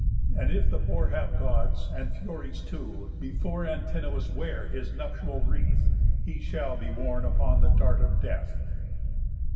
And if the poor have Gods, and Furies too, Before Antinous wear his nuptial wreath, He shall be worn upon the dart of death."